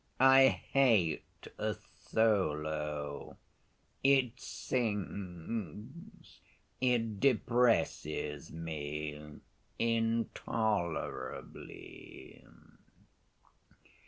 I hate a solo; it sinks, it depresses me intolerably."